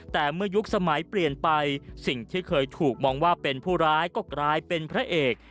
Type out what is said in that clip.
แต่เมื่อยุคสมัยเปลี่ยนไปสิ่งที่เคยถูกมองว่าเป็นผู้ร้ายก็กลายเป็นพระเอก